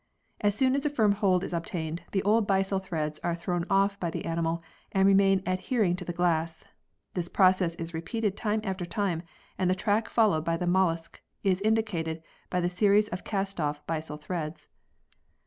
As soon as a firm hold is obtained the old byssal threads are thrown off by the animal and remain adhering to the glass. This process is repeated time after time, and the track followed by the mollusc is indicated by the series of cast off byssal threads.